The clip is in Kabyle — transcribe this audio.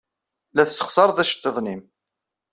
La tessexṣared iceḍḍiḍen-nnem.